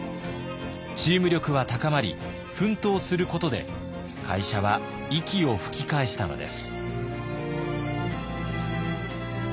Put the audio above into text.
チーム力は高まり奮闘することで会社は息を吹き返したのです。